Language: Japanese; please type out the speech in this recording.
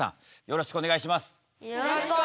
よろしくお願いします。